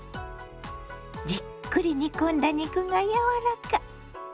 じっくり煮込んだ肉が柔らか。